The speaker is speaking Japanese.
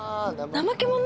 ナマケモノ？